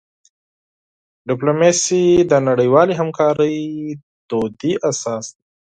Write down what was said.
ډیپلوماسي د نړیوالی همکاری د ودي اساس دی.